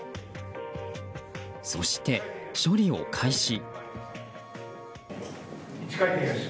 そして、処理を開始。